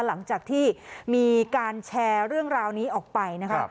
หลังจากที่มีการแชร์เรื่องราวนี้ออกไปนะคะ